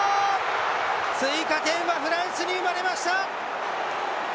追加点はフランスに生まれました！